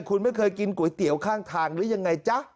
คุณไม่เคยกินก๋วยเตี๋ยวข้างทางหรือยังไงจ๊ะ